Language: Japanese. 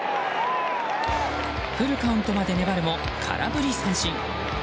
フルカウントまで粘るも空振り三振。